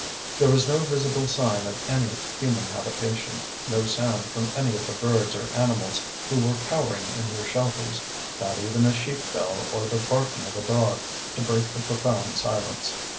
There was no visible sign of any human habitation, no sound from any of the birds or animals who were cowering in their shelters, not even a sheep hell or the barking of a dog to break the profound silence.